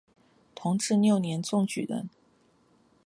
同治六年中举人。